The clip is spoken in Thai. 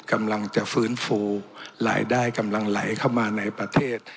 กำลังจะฟื้นฟูรายได้กำลังไหลเข้ามาในประเทศ